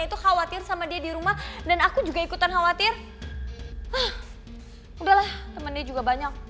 itu khawatir sama dia di rumah dan aku juga ikutan khawatir udahlah temennya juga banyak